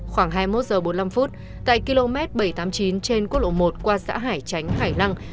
khoảng hai mươi một h bốn mươi năm tại km bảy trăm tám mươi chín trên quốc lộ một qua xã hải chánh hải lăng